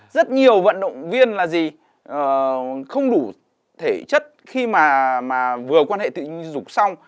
rất nhiều vận động viên là gì không đủ thể chất khi mà vừa quan hệ tự dục xong